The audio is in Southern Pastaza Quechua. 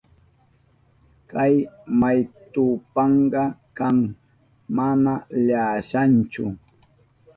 Kay maytuka pankalla kan, mana llashanchu.